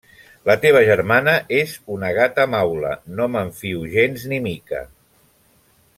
La teva germana és una gata maula. No me'n fio gens ni mica!